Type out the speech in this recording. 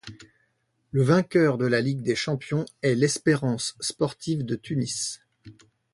Le vainqueur de la Ligue des champions est l'Espérance sportive de Tunis.